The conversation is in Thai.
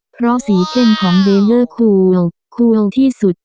เพราะสีเข้มของเดลเลอร์ควงควงที่สุด